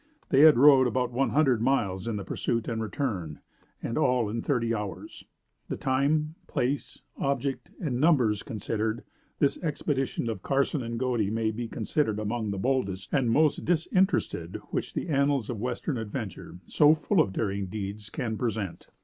They had rode about one hundred miles in the pursuit and return, and all in thirty hours. The time, place, object, and numbers considered, this expedition of Carson and Godey may be considered among the boldest and most disinterested which the annals of western adventure, so full of daring deeds, can present.